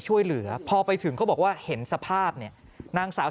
ช่วยเหลือพอไปถึงเขาบอกว่าเห็นสภาพเนี่ยนางสาว